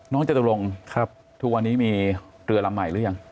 จตุรงทุกวันนี้มีเรือลำใหม่หรือยัง